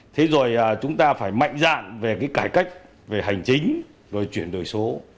thế rồi chúng ta phải mạnh dạn về cái cải cách về hành chính rồi chuyển đổi số